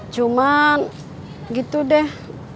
cuman gitu deh